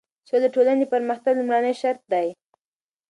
سوله د ټولنې د پرمختګ لومړی شرط دی.